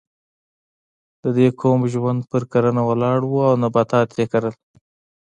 د دې قوم ژوند پر کرنه ولاړ و او نباتات یې کرل.